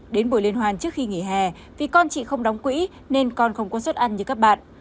đến buổi liên hoàn trước khi nghỉ hè vì con chị không đóng quỹ nên con không có suất ăn như các bạn